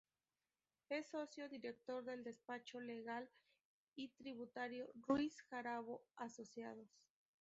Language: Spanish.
Es Socio-Director del Despacho Legal y Tributario Ruiz-Jarabo Asociados.